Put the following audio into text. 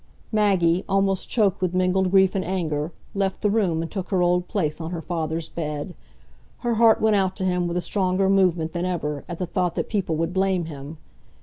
Maggie, almost choked with mingled grief and anger, left the room, and took her old place on her father's bed. Her heart went out to him with a stronger movement than ever, at the thought that people would blame him.